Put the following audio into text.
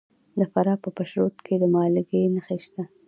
د فراه په پشت رود کې د مالګې نښې شته.